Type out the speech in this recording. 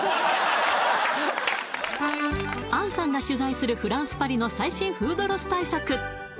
はい杏さんが取材するフランスパリの最新フードロス対策